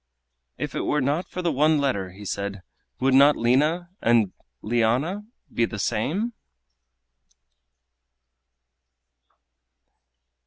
"If it were not for the one letter," he said, "would not Lina and Liana be the same?"